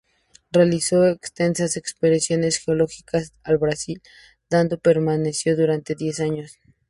Realizó extensas expediciones geológicas al Brasil, donde permaneció durante diez años.